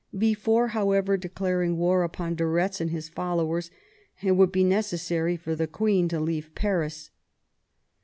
Before, however, declaring war upon de Retz and his followers, it would be necessary for the queen to leave Paris.